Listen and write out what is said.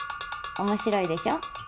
面白いでしょ。